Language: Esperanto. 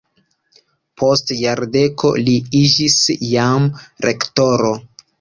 Post jardeko li iĝis jam rektoro.